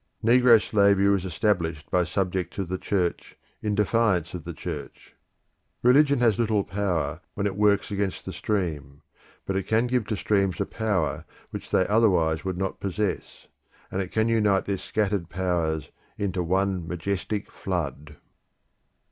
Negro slavery was established by subjects of the Church in defiance of the Church. Religion has little power when it works against the stream, but it can give to streams a power which they otherwise would not possess, and it can unite their scattered waters into one majestic flood.